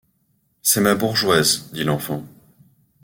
C’est ma bourgeoise, dit l’enfant.